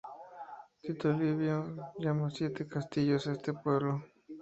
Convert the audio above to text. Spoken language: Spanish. Tito Livio llama Siete castillos a este pueblo.